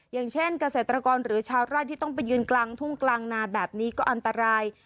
อย่างเช่นเกษตรกรหรือชาวไร่ที่ต้องไปยืนกลางทุ่งกลางนาแบบนี้ก็อันตราย